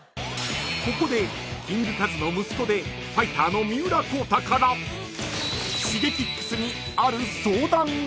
［ここでキングカズの息子でファイターの三浦孝太からＳｈｉｇｅｋｉｘにある相談が］